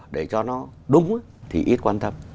để cho nó đúng thì ít quan tâm